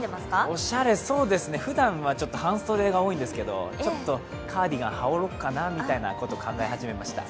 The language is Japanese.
おしゃれ、そうですねふだん、半袖が多いんですけどちょっとカーディガン羽織ろうかなと考え始めました。